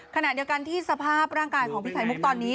ขณะเดียวกันที่สภาพร่างกายของพี่ไข่มุกตอนนี้